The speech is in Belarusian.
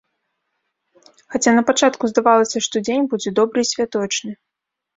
Хаця напачатку здавалася, што дзень будзе добры і святочны.